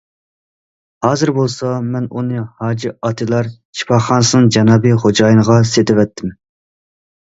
ھازىر بولسا، مەن ئۇنى ھاجى ئاتىلار شىپاخانىسىنىڭ جانابى خوجايىنىغا سېتىۋەتتىم.